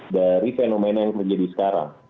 dari fenomena yang terjadi sekarang